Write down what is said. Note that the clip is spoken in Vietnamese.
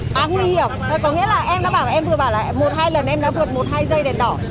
à không hiểu có nghĩa là em đã bảo em vừa bảo là một hai lần em đã vượt một hai giây đèn đỏ